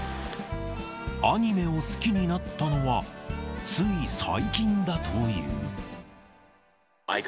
アニメを好きになったのは、つい最近だという。